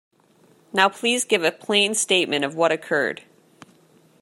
Now please give a plain statement of what occurred.